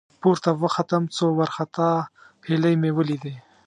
، پورته وختم، څو وارخطا هيلۍ مې ولېدې.